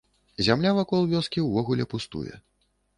Зямля вакол вёскі ўвогуле пустуе.